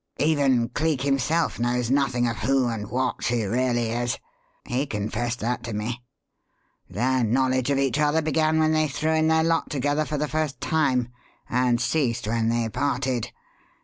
Even Cleek himself knows nothing of who and what she really is. He confessed that to me. Their knowledge of each other began when they threw in their lot together for the first time, and ceased when they parted.